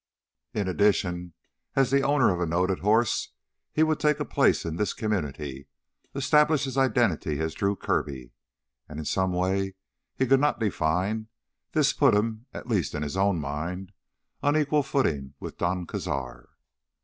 In addition, as the owner of a noted horse, he would take a place in this community, establish his identity as Drew Kirby. And in some way he could not define, this put him, at least in his own mind, on an equal footing with Don Cazar.